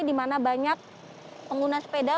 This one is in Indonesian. dimana banyak pengguna sepeda